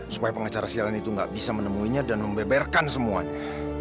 supaya pengacara cnn itu nggak bisa menemuinya dan membeberkan semuanya